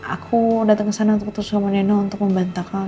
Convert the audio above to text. aku datang ke sana untuk tukis sama nino untuk membantah kau